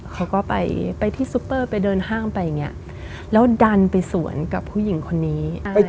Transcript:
เขาก็ไปที่ซุปเปอร์ไปเดินห้ามไปอย่างนี้แล้วดันไปสวนกับผู้หญิงคนนี้